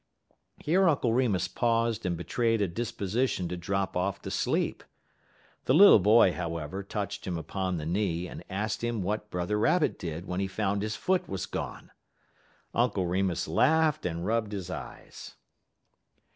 Here Uncle Remus paused and betrayed a disposition to drop off to sleep. The little boy, however, touched him upon the knee, and asked him what Brother Rabbit did when he found his foot was gone. Uncle Remus laughed and rubbed his eyes.